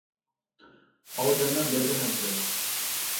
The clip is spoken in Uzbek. • Olgandan bergan afzal.